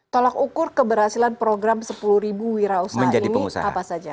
tolak ukur keberhasilan program sepuluh wirausaha ini apa saja